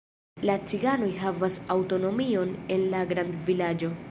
La ciganoj havas aŭtonomion en la grandvilaĝo.